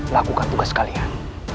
lakukan tugas kalian